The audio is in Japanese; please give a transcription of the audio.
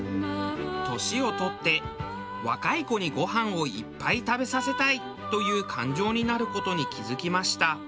年を取って若い子にごはんをいっぱい食べさせたいという感情になる事に気付きました。